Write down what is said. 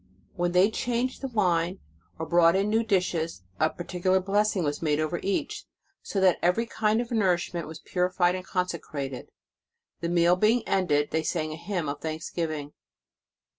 When they changed the wine or brought in new dishes, a particu lar blessing was made over each, so that every kind of nourishment was purified and consecrated. The meal being ended, they sang a hymn of thanksgiving.